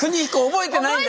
覚えてないの。